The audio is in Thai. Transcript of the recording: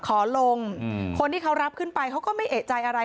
ขอลงคนที่เขารับขึ้นไปเขาก็ไม่เอกใจอะไร